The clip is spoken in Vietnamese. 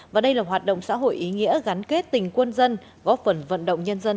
và đây là hoạt động xã hội ý nghĩa gắn kết tình quân dân góp phần vận động nhân dân